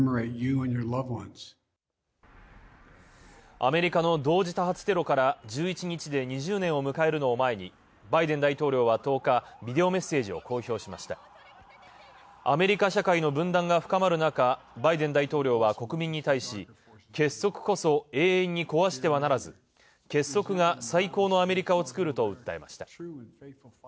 アメリカの同時多発テロから１１日で２０年を迎えるのを前にバイデン大統領は１０日、ビデオメッセージを公表しましたアメリカ社会の分断が深まるなかバイデン大統領は国民に対し「結束こそ永遠に壊してはならず、結束が最高のアメリカをつくる」と訴えました。